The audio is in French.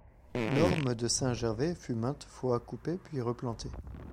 L'orme de Saint-Gervais fut maintes fois coupé puis replanté.